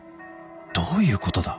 どういうことだ？